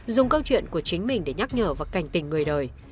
dùng câu chuyện của chính mình để nhắc nhở và cảnh tình người đời